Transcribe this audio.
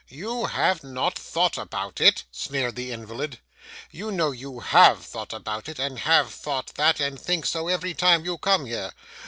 'You have not thought about it!' sneered the invalid. 'You know you HAVE thought about it, and have thought that, and think so every time you come here.